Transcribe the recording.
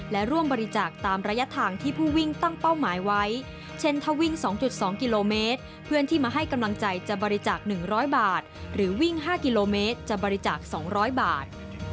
และร่วมบริจาคตามระยะทางที่ผู้วิ่งตั้งเป้าหมายไว้เช่นถ้าวิ่ง๒๒กิโลเมตรเพื่อนที่มาให้กำลังใจจะบริจาค๑๐๐บาทหรือวิ่ง๕กิโลเมตรจะบริจาค๒๐๐บาท